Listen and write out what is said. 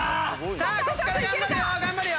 さあここから頑張るよ頑張るよ！